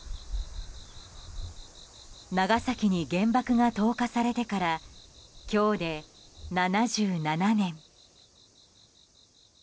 長崎に原爆が投下されてから今日で７７年。